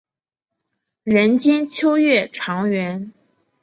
人间秋月长圆。